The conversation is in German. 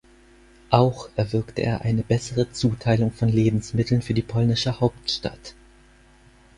Auch erwirkte er eine bessere Zuteilung von Lebensmitteln für die polnische Hauptstadt.